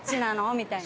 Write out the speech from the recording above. みたいな。